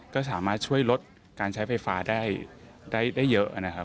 ก็สามารถช่วยลดการใช้ไฟฟ้าได้เยอะนะครับ